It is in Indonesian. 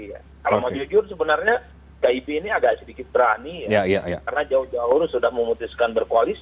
kalau mau jujur sebenarnya kib ini agak sedikit berani karena jauh jauh sudah memutuskan berkoalisi